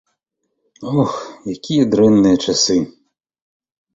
Ох, якія дрэнныя часы!